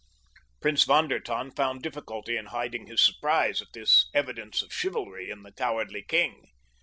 Prince von der Tann found difficulty in hiding his surprise at this evidence of chivalry in the cowardly king.